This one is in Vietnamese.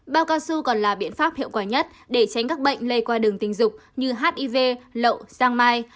bao cao su còn là biện pháp hiệu quả nhất để tránh các bệnh lây qua đường tình dục như hiv lậu giang mai